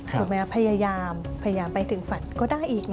ถูกไหมครับพยายามพยายามไปถึงฝันก็ได้อีก